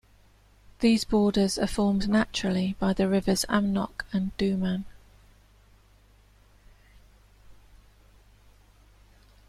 These borders are formed naturally by the rivers Amnok and Duman.